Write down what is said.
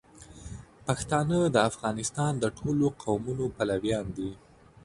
پښتانه د افغانستان د ټولو قومونو پلویان دي.